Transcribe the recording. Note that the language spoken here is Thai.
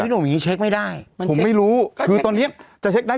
หนุ่มอย่างงี้เช็คไม่ได้ผมไม่รู้คือตอนเนี้ยจะเช็คได้